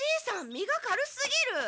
身が軽すぎる。